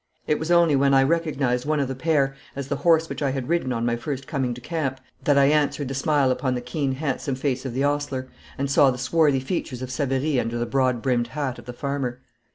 It was only when I recognised one of the pair as the horse which I had ridden on my first coming to camp that I answered the smile upon the keen handsome face of the ostler, and saw the swarthy features of Savary under the broad brimmed hat of the farmer.